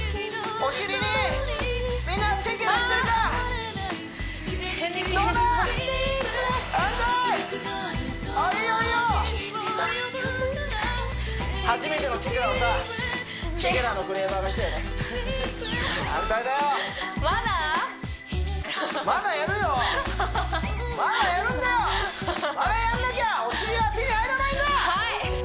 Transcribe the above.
お尻は手に入らないんだ！